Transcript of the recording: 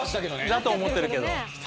だと思ってるけど。